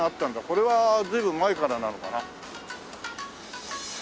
これは随分前からなのかな。